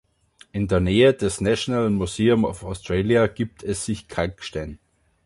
In der Nähe des National Museum of Australia gibt es sich Kalkstein.